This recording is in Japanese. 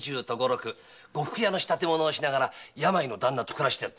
呉服屋の仕立て物をしながら病の旦那と暮らしている。